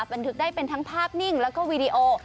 มันถึงได้เป็นทั้งภาพนิ่งและวีดีโอ